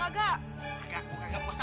kagak aku kagak puasa